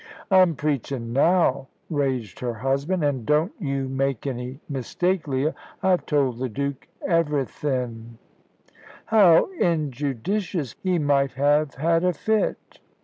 "I'm preachin' now," raged her husband, "an' don't you make any mistake, Leah. I've told the Duke everythin'." "How injudicious! He might have had a fit."